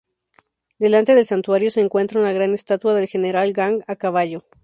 Delante del santuario se encuentra una gran estatua del general Gang a caballo.